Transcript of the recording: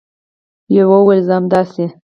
یوې وویل: زه همداسې